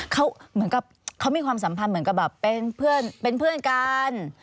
เขามีความสัมพันธ์เหมือนกับเป็นเพื่อนกัน